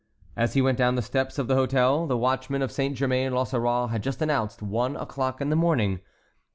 As he went down the steps of the hôtel, the watchman of Saint Germain l'Auxerrois had just announced one o'clock in the morning.